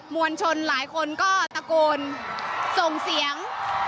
วลชนหลายคนก็ตะโกนส่งเสียง